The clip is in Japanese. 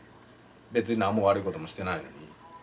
別になんも悪いこともしてないのに。